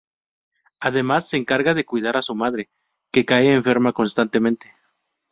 Además, se encarga de cuidar a su madre, que cae enferma constantemente.